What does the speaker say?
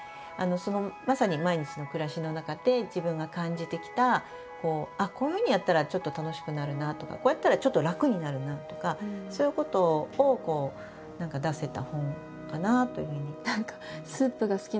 まさに毎日の暮らしの中で自分が感じてきたあっこういうふうにやったらちょっと楽しくなるなあとかこうやったらちょっと楽になるなあとかそういうことを何か出せた本かなというふうに。